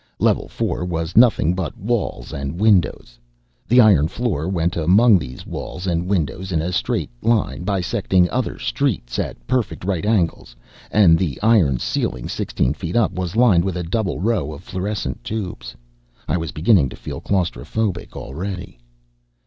Level four was nothing but walls and windows. The iron floor went among these walls and windows in a straight straight line, bisecting other "streets" at perfect right angles, and the iron ceiling sixteen feet up was lined with a double row of fluorescent tubes. I was beginning to feel claustrophobic already.